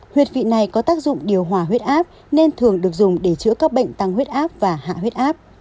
huyệt vị này có tác dụng điều hòa huyết áp nên thường được dùng để chữa các bệnh tăng huyết áp và hạ huyết áp